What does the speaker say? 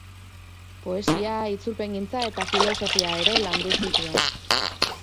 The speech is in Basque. Poesia, itzulpengintza eta filosofia ere landu zituen.